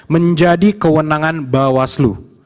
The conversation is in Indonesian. menjadi kewenangan bawah selu